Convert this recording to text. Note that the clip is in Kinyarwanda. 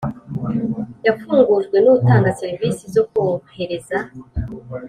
yafungujwe n utanga serivisi zo kohereza